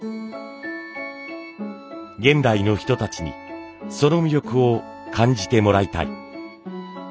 現代の人たちにその魅力を感じてもらいたい。